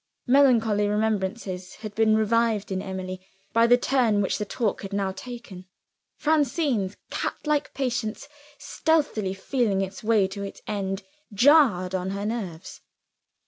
Melancholy remembrances had been revived in Emily by the turn which the talk had now taken. Francine's cat like patience, stealthily feeling its way to its end, jarred on her nerves.